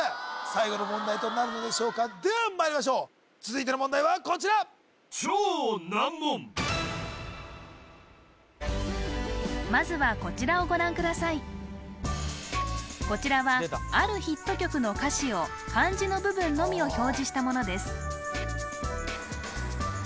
最後の問題となるのでしょうかではまいりましょう続いての問題はこちらまずはこちらはあるヒット曲の歌詞を漢字の部分のみを表示したものです